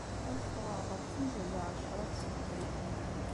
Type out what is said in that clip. Ad ffɣeɣ ɣef tizi n lɛecṛa n tṣebḥit.